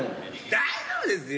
大丈夫ですよ。